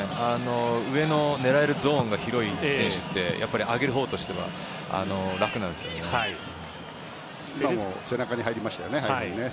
上の狙えるゾーンが広い選手って上げるほうとしては楽なんですよね。